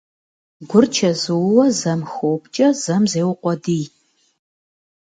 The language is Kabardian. Гур чэзууэ зэм хопкӀэ, зэм зеукъуэдий.